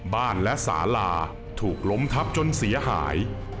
บ้านและสาลาถูกล้มทับจนเสียหาย